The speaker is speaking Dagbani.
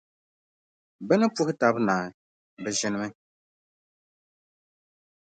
Bɛ ni puhi taba naai, bɛ ʒinimi.